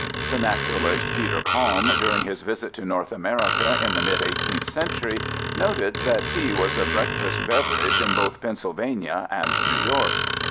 The naturalist Peter Kalm, during his visit to North America in the mid 18th century, noted that tea was a breakfast beverage in both Pennsylvania and New York.